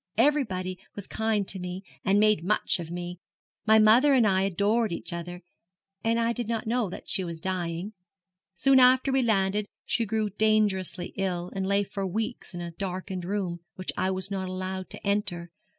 Everybody was kind to me, and made much of me. My mother and I adored each other; and I did not know that she was dying. Soon after we landed she grew dangerously ill, and lay for weeks in a darkened room, which I was not allowed to enter.